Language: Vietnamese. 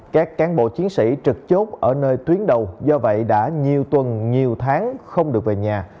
các cán bộ chiến sĩ trực chốt ở nơi tuyến đầu do vậy đã nhiều tuần nhiều tháng không được về nhà